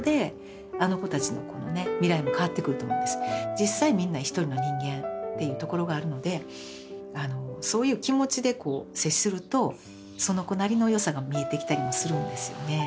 実際みんな一人の人間っていうところがあるのでそういう気持ちでこう接するとその子なりの良さが見えてきたりもするんですよね。